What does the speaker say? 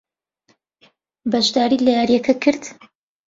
بەشداریت لە یارییەکە کرد؟